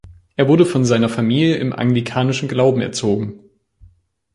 Er wurde von seiner Familie im anglikanischen Glauben erzogen.